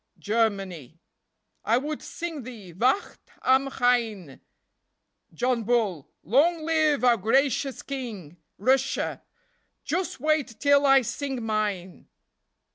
Germany: I would sing the " Wacht am Rhein !" John Bull: Long live our gracious King ![ 33 ] Russia : Just wait till I sing mine!